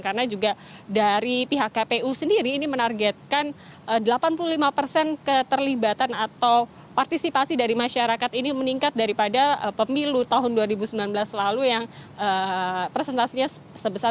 karena juga dari pihak kpu sendiri ini menargetkan delapan puluh lima keterlibatan atau partisipasi dari masyarakat ini meningkat daripada pemilu tahun dua ribu sembilan belas lalu yang presentasinya sebesar delapan puluh dua